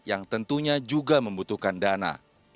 yang tentunya juga membutuhkan dana